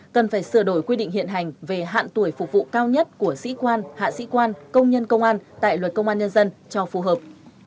cần phải sửa đổi quy định hiện hành về hạn tuổi phục vụ cao nhất của sĩ quan hạ sĩ quan công nhân công an tại luật công an nhân dân cho phù hợp